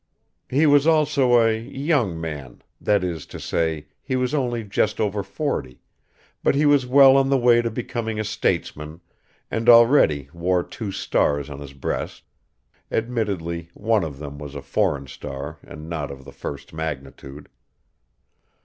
He was also a "young man," that is to say, he was only just over forty, but he was well on the way to becoming a statesman and already wore two stars on his breast admittedly, one of them was a foreign star and not of the first magnitude.